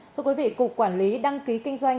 thưa quý vị cục quản lý đăng ký kinh doanh